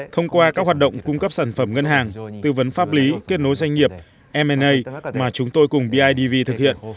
thông qua các hoạt động cung cấp sản phẩm ngân hàng tư vấn pháp lý kết nối doanh nghiệp mna mà chúng tôi cùng bidv thực hiện